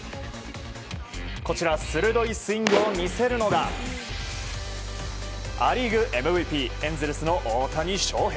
こちら、鋭いスイングを見せるのがア・リーグＭＶＰエンゼルスの大谷翔平。